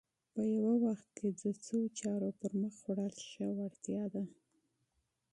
په یوه وخت کې د څو چارو پر مخ وړل ښه وړتیا ده